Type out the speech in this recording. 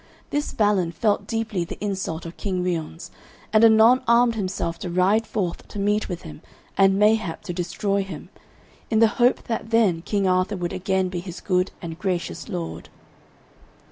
This Balin felt deeply the insult of King Ryons, and anon armed himself to ride forth to meet with him and mayhap to destroy him, in the hope that then King Arthur would again be his good and gracious lord.